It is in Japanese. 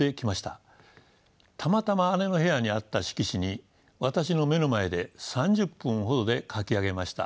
たまたま姉の部屋にあった色紙に私の目の前で３０分ほどで描き上げました。